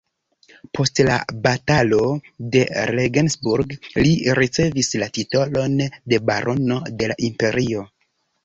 Post la Batalo de Regensburg li ricevis la titolon de barono de la imperio.